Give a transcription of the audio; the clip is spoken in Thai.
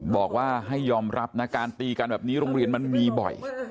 บอกว่าให้ยอมรับนะการตีกันแบบนี้โรงเรียนมันมีบ่อย